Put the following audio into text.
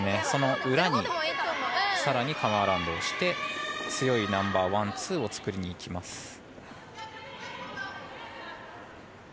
その裏にさらにカムアラウンドし強いナンバーワン、ツーを作りにいきます。